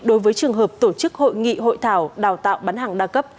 đối với trường hợp tổ chức hội nghị hội thảo đào tạo bán hàng đa cấp